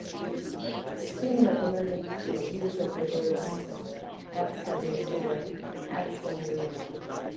Skene recommended the use of the words "abthany" or "abthanry".